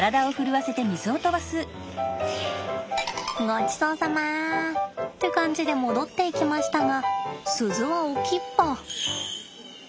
ごちそうさまって感じで戻っていきましたが鈴は置きっぱ。